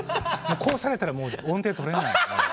こうされたらもう音程とれないですね。